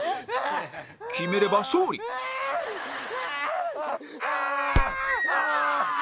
決めれば勝利あーっ！